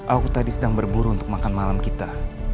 aku tadi sedang berburu untuk makan malam kita